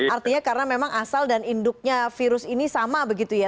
artinya karena memang asal dan induknya virus ini sama begitu ya